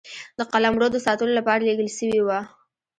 د قلمرو د ساتلو لپاره لېږل سوي وه.